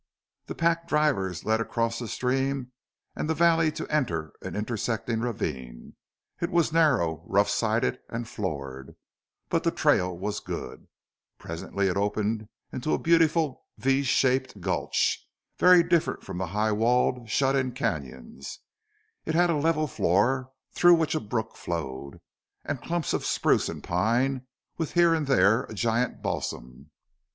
The pack drivers led across the stream and the valley to enter an intersecting ravine. It was narrow, rough sided, and floored, but the trail was good. Presently it opened out into a beautiful V shaped gulch, very different from the high walled, shut in canons. It had a level floor, through which a brook flowed, and clumps of spruce and pine, with here and there a giant balsam.